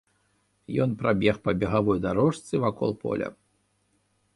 Ён прабег па бегавой дарожцы вакол поля.